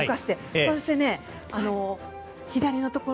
そして、左のところ。